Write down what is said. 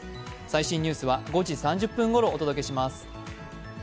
最新ニュースは５時３０分ごろお届けします。